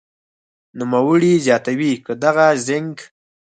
نوموړې زیاتوي که دغه زېنک